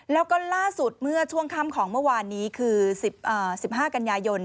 แล้วก็ล่าสุดเมื่อช่วงค่ำของเมื่อวานนี้คือ๑๕กันยายน